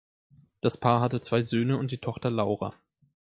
Das Paar hatte zwei Söhne und die Tochter Laura.